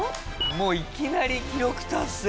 もういきなり記録達成。